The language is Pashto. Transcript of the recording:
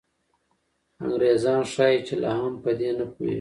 انګریزان ښایي چې لا هم په دې نه پوهېږي.